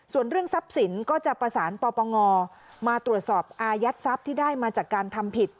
ส่วนเรื่องทรัพย์สินก็จะประสานปปงมาตรวจสอบอายัดทรัพย์ที่ได้มาจากการทำผิด